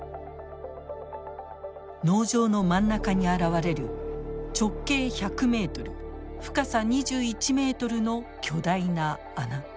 農場の真ん中に現れる直径１００メートル深さ２１メートルの巨大な穴。